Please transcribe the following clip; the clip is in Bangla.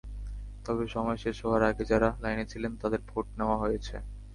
তবে সময় শেষ হওয়ার আগে যাঁরা লাইনে ছিলেন, তাঁদের ভোট নেওয়া হয়েছে।